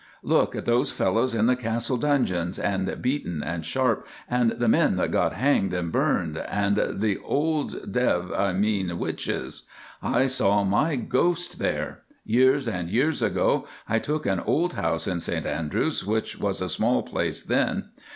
Look at those fellows in the Castle dungeons, and Beaton and Sharpe and the men that got hanged and burned, and the old dev⸺ I mean witches. I saw my ghost there. Years and years ago I took an old house in St Andrews, which was a small place then.